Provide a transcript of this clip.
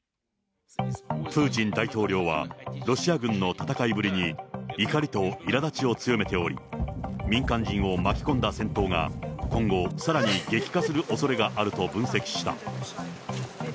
プーチン大統領はロシア軍の戦いぶりに、怒りといらだちを強めており、民間人を巻き込んだ戦闘が今後、さらに激化するおそれがあると分析した。